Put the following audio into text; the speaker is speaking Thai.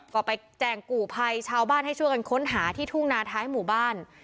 ก็ไปแจ้งกู่ภัยชาวบ้านให้ช่วยกันค้นหาที่ทุ่งนาท้ายหมู่บ้าน